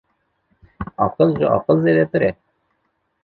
Aqil ji aqil zêdetir e